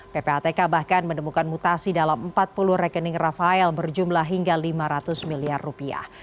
ppatk bahkan menemukan mutasi dalam empat puluh rekening rafael berjumlah hingga lima ratus miliar rupiah